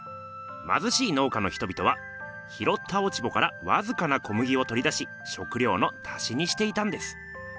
まずしい農家の人々は拾った落ち穂からわずかな小麦をとり出ししょくりょうの足しにしていたんです。